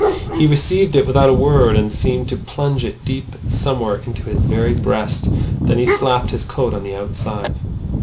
He received it without a word, and seemed to plunge it deep somewhere into his very breast. Then he slapped his coat on the outside.